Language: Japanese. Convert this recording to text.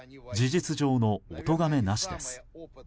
事実上のおとがめなしです。